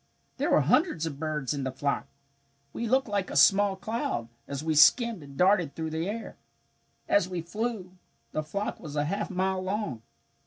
"There were hundreds of birds in the flock. We looked like a small cloud, as we skimmed and darted through the air. As we flew, the flock was a half mile long.